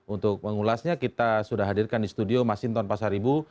untuk mengulasnya kita sudah hadirkan di studio mas sinton pasar ibu